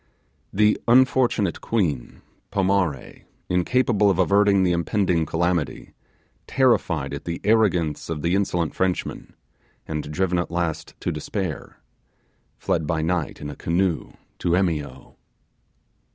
The unfortunate queen Pomare, incapable of averting the impending calamity, terrified at the arrogance of the insolent Frenchman, and driven at last to despair, fled by night in a canoe to Emio.